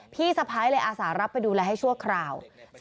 พี่สะพ้ายเลยอาสารับไปดูแลให้ชั่วคราว